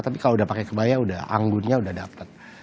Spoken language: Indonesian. tapi kalau udah pakai kebaya udah anggunnya udah dapet